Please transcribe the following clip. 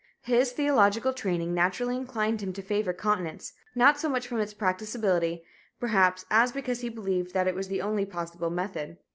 His theological training naturally inclined him to favor continence not so much from its practicability, perhaps, as because he believed that it was the only possible method.